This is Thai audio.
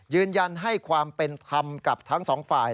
ยืนยันให้ความเป็นธรรมกับทั้งสองฝ่าย